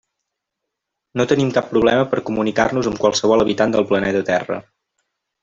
No tenim cap problema per a comunicar-nos amb qualsevol habitant del planeta Terra.